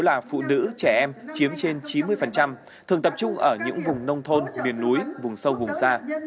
là phụ nữ trẻ em chiếm trên chín mươi thường tập trung ở những vùng nông thôn miền núi vùng sâu vùng xa